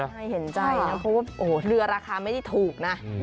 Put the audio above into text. ให้ให้เห็นใจนะเพราะว่าเรือราคาไม่ได้ถูกนะ